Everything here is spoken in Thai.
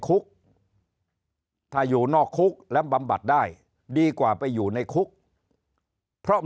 คุกถ้าอยู่นอกคุกและบำบัดได้ดีกว่าไปอยู่ในคุกเพราะ